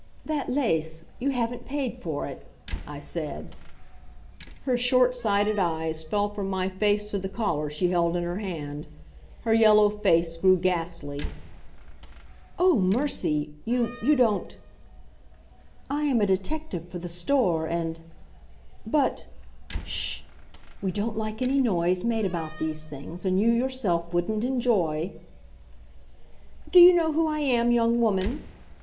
"That lace. You haven't paid for it," I said. Her short sighted eyes fell from my face to the collar she held in her hand. Her yellow face grew ghastly. "Oh, mercy! You you don't " "I am a detective for the store, and " "But " "Sh! We don't like any noise made about these things, and you yourself wouldn't enjoy " "Do you know who I am, young woman?"